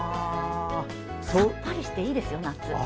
さっぱりしていいですよ、夏。